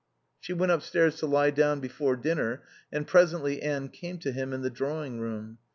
She went upstairs to lie down before dinner, and presently Anne came to him in the drawing room.